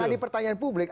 bang adi pertanyaan publik